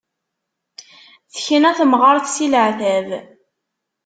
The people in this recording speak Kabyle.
Tekna temɣart si leɛtab.